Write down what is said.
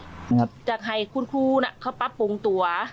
อยากให้คุณครูน่ะเขาปรับปรุงตัว